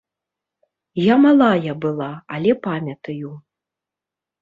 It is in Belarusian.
Я малая была, але памятаю.